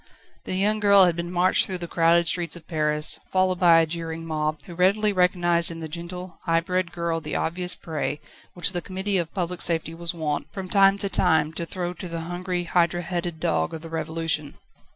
The young girl had been marched through the crowded streets of Paris, followed by a jeering mob, who readily recognised in the gentle, high bred girl the obvious prey, which the Committee of Public Safety was wont, from time to time to throw to the hungry hydra headed dog of the Revolution.